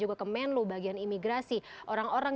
juga ke menlu bagian imigrasi orang orang